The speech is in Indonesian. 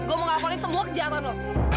gue mau ngelaporin semua ke jalan lo